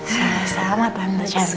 salam salam tante shanti